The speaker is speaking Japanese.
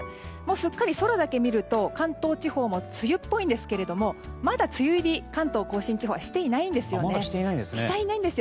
すっかり空だけ見ると関東地方も梅雨っぽいんですがまだ梅雨入りは関東・甲信地方はしていないんですよ。